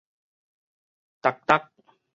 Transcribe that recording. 踏逐